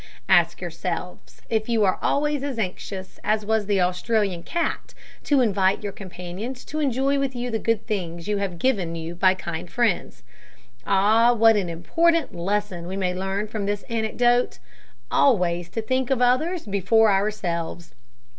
Ask yourselves if you are always as anxious as was the Australian cat to invite your companions to enjoy with you the good things you have given you by kind friends. Ah! what an important lesson we may learn from this anecdote: always to think of others before ourselves.